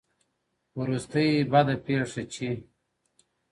وروستۍ بده پېښه چې